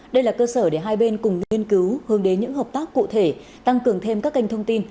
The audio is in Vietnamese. đây là cơ sở để hai bên cùng nghiên cứu hướng đến những hợp tác cụ thể tăng cường thêm các kênh thông tin